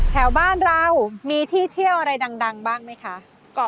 แถวบ้านเรามีที่เที่ยวอะไรดังบ้างไหมคะ